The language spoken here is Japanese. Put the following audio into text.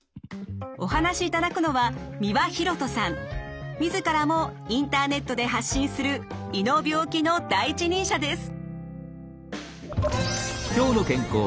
お話しいただくのは自らもインターネットで発信する胃の病気の第一人者です。